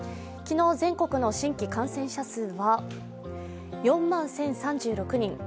昨日、全国の新規感染者数は４万１０３６人。